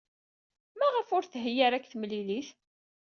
Maɣef ur thi ara deg temlilit?